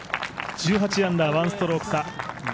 １８アンダー１ストローク差。